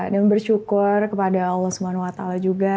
dan bersyukur kepada allah swt juga